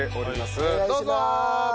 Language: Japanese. お願いします。